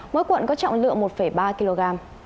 mỗi cuộn có trọng lượng một ba kg